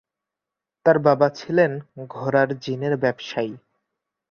তার বাবা ছিলেন ঘোড়ার জিনের ব্যবসায়ী।